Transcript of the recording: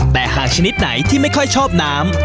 แต่หากชนิดไหนที่ไม่ค่อยชอบน้ำ